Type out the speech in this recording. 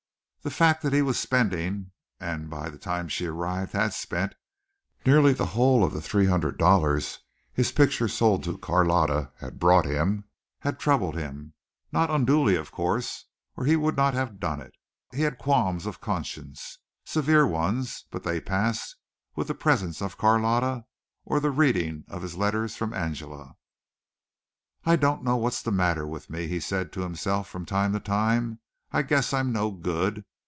The fact that he was spending, and by the time she arrived had spent, nearly the whole of the three hundred dollars his picture sold to Carlotta had brought him, had troubled him not unduly, of course, or he would not have done it. He had qualms of conscience, severe ones, but they passed with the presence of Carlotta or the reading of his letters from Angela. "I don't know what's the matter with me," he said to himself from time to time. "I guess I'm no good."